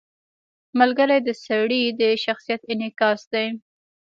• ملګری د سړي د شخصیت انعکاس دی.